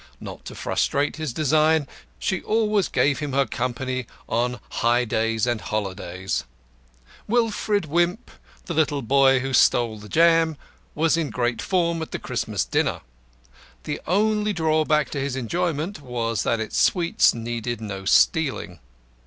Not to frustrate his design, she always gave him her company on high days and holidays. Wilfred Wimp the little boy who stole the jam was in great form at the Christmas dinner. The only drawback to his enjoyment was that its sweets needed no stealing.